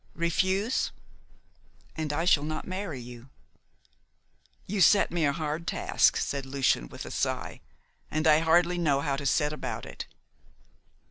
Refuse, and I shall not marry you!" "You set me a hard task," said Lucian, with a sigh, "and I hardly know how to set about it."